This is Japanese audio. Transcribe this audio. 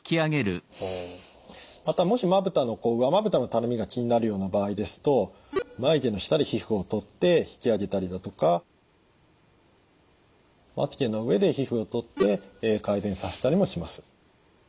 またもし上まぶたのたるみが気になるような場合ですと眉毛の下で皮膚をとって引き上げたりだとかまつげの上で皮膚をとって改善させたりもします。